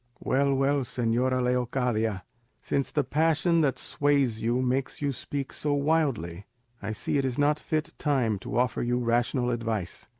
"Well, well, señora Leocadia, since the passion that sways you makes you speak so wildly, I see it is not the fit time to offer you rational advice.